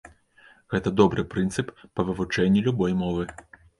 Гэта добры прынцып па вывучэнні любой мовы.